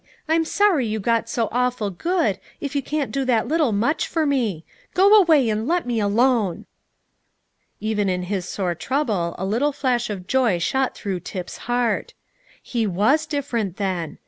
I'm sorry you got so awful good, if you can't do that little much for me. Go away and let me alone." Even in his sore trouble a little flash of joy shot through Tip's heart. He was different, then.